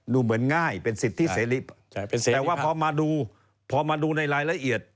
ดูเหมือนง่ายเป็นสิทธิเสรีแต่ว่าพอมาดูพอมาดูในรายละเอียด